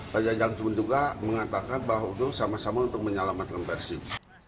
raja jalan pun juga mengatakan bahwa itu sama sama untuk menyelamatkan persib